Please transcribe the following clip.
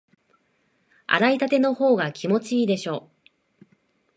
洗いたてのほうが気持ちいいでしょ？